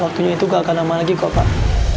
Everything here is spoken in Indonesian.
waktunya itu gak akan aman lagi kok pak